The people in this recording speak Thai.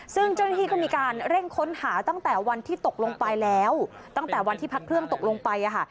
ซึ่งเจ้าหน้าที่ก็มีการเร่งค้นหาตั้งแต่วันที่ตกลงไปแล้วตั้งแต่วันที่พักเครื่องตกลงไป